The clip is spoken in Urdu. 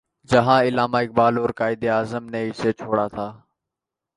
جہاں علامہ اقبال اور قائد اعظم نے اسے چھوڑا تھا۔